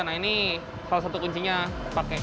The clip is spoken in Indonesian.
nah ini salah satu kuncinya pakai yang seperti ini